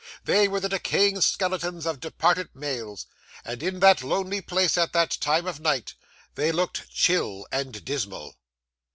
They were the decaying skeletons of departed mails, and in that lonely place, at that time of night, they looked chill and dismal.